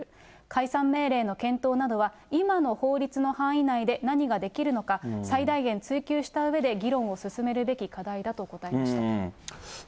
解散命令の検討などは、今の法律の範囲内で何ができるのか、最大限追及したうえで議論を進めるべき課題だと答えました。